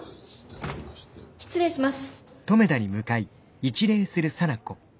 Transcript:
失礼します。